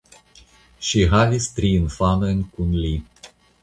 Ŝi havis tri infanojn kun li.